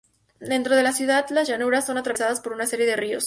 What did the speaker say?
Dentro de la ciudad las llanuras son atravesadas por una serie de ríos.